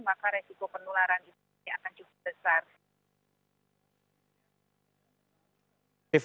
maka resiko penularan ini akan cukup besar